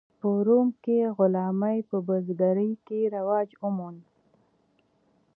په روم کې غلامي په بزګرۍ کې رواج وموند.